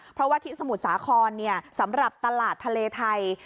เพราะว่าที่สมุทรสาครสำหรับตลาดทะเลไทย